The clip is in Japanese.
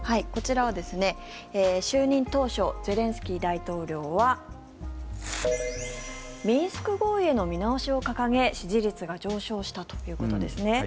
こちらは就任当初ゼレンスキー大統領はミンスク合意の見直しを掲げ支持率が上昇したということですね。